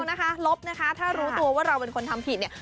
นะคะลบนะคะถ้ารู้ตัวว่าเราเป็นคนทำผิดเนี่ย